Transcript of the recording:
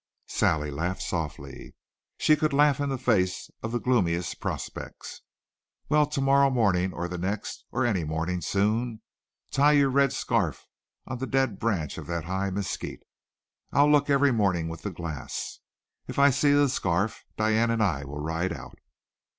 Sally laughed softly. She could laugh in the face of the gloomiest prospects. "Well, to morrow morning, or the next, or any morning soon, you tie your red scarf on the dead branch of that high mesquite. I'll look every morning with the glass. If I see the scarf, Diane and I will ride out."